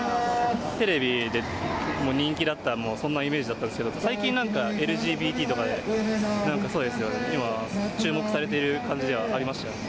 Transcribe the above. テレビで人気だった、そんなイメージだったですけど、最近なんかＬＧＢＴとかで、なんかそうですよね、今注目されている感じではありましたよね。